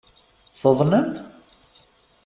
Tuḍnem?